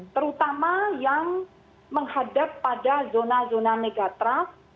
terutama yang menghadap pada zona zona megatrust